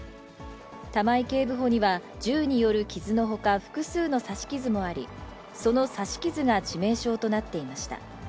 玉井警部補には銃による傷のほか、複数の刺し傷もあり、その刺し傷が致命傷となっていました。